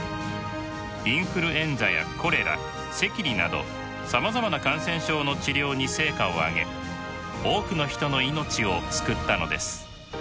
インフルエンザやコレラ赤痢などさまざまな感染症の治療に成果を上げ多くの人の命を救ったのです。